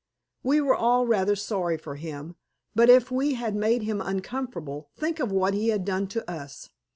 We were all rather sorry for him, but if we had made him uncomfortable, think of what he had done to us.